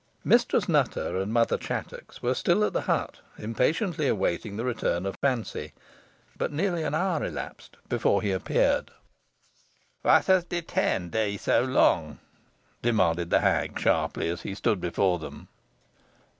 Mistress Nutter and Mother Chattox were still at the hut, impatiently awaiting the return of Fancy. But nearly an hour elapsed before he appeared. "What has detained thee so long?" demanded the hag, sharply, as he stood before them.